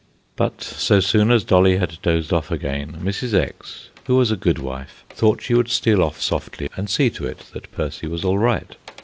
But so soon as Dolly had dozed off again, Mrs. X., who was a good wife, thought she would steal off softly and see to it that Percy was all right.